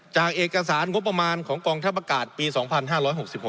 จังเอกสารงบประมาณของกองท่าประกาศปี๒๕๖๖ครับ